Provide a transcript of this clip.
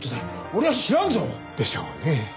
俺は知らんぞ！でしょうね。